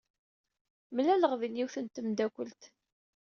Mlaleɣ din yiwet n temdakelt.